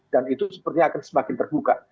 dan itu sepertinya akan semakin terbuka